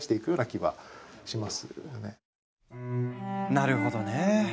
なるほどね。